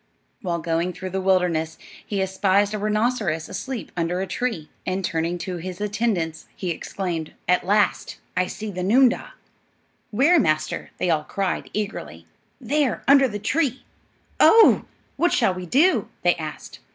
While going through the wilderness he espied a rhinoceros asleep under a tree, and turning to his attendants he exclaimed, "At last I see the noondah." "Where, master?" they all cried, eagerly. "There, under the tree." "Oh h! What shall we do?" they asked.